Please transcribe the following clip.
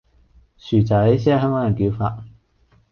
薯仔先係香港人叫法